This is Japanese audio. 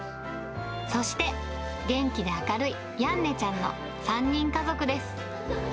そして、元気で明るいヤンネちゃんの３人家族です。